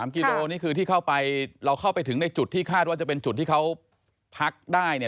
กิโลนี่คือที่เข้าไปเราเข้าไปถึงในจุดที่คาดว่าจะเป็นจุดที่เขาพักได้เนี่ย